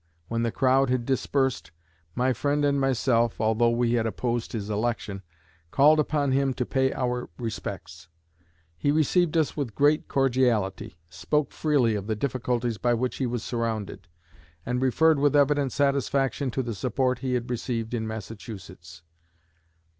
When the crowd had dispersed, my friend and myself although we had opposed his election called upon him to pay our respects. He received us with great cordiality, spoke freely of the difficulties by which he was surrounded, and referred with evident satisfaction to the support he had received in Massachusetts.